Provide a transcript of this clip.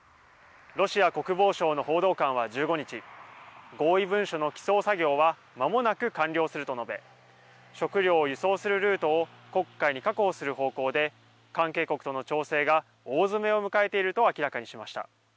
ロシア国防省の報道官は１５日合意文書の起草作業はまもなく完了すると述べ食料を移送するルートを黒海に確保する方向で関係国との調整が大詰めを迎えていると明らかにしました。